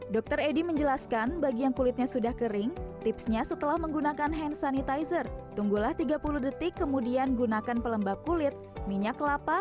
dokter edi menjelaskan bagi yang kulitnya sudah kering tipsnya setelah menggunakan hand sanitizer tunggulah tiga puluh detik kemudian gunakan pelembab kulit minyak kelapa